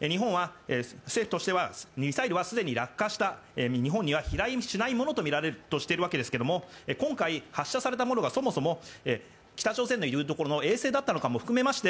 日本政府としては、ミサイルは既に落下した、日本には飛来しないものとみられるとしているわけですけども、今回、発射されたものがそもそも北朝鮮がいうところの衛星だったのかも含めまして